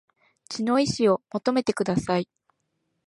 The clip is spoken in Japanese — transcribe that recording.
血の遺志を求めてください